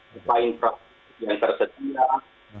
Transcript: pertama praktik yang tersedia